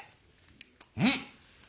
うん！